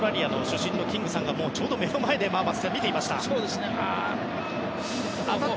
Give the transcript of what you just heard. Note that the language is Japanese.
オーストラリアの主審のキングさんが目の前で見ていました。